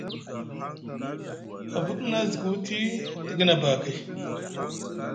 Avut mu na ziki wuti tiki nʼabakay.